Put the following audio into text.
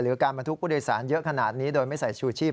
การบรรทุกผู้โดยสารเยอะขนาดนี้โดยไม่ใส่ชูชีพ